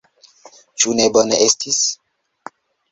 Ĉu ne bone estis?